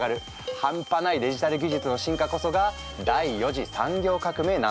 半端ないデジタル技術の進化こそが第４次産業革命なんだそう。